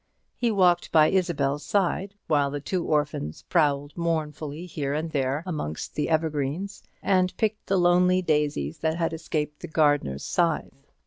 He walked by Isabel's side, while the two orphans prowled mournfully here and there amongst the evergreens, and picked the lonely daisies that had escaped the gardener's scythe.